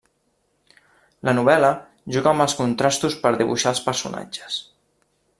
La novel·la juga amb els contrastos per dibuixar els personatges.